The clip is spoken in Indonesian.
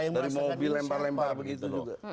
dari mobil lempar lempar begitu juga